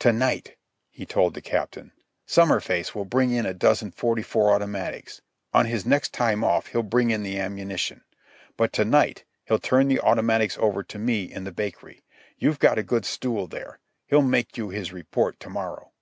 "To night," he told the Captain, "Summerface will bring in a dozen '44 automatics. On his next time off he'll bring in the ammunition. But to night he'll turn the automatics over to me in the bakery. You've got a good stool there. He'll make you his report to morrow."